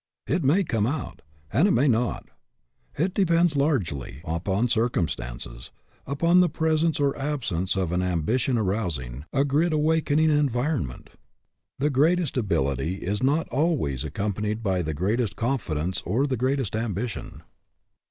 It may come out, and it may not. It depends largely upon circum stances, upon the presence or absence of an ambition arousing, a grit awakening environ ment. The greatest ability is not always 94 RESPONSIBILITY DEVELOPS accompanied by the greatest confidence or the greatest ambition.